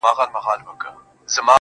سیاه پوسي ده، رنگونه نسته.